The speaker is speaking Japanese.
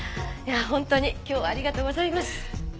いやあ本当に今日はありがとうございます！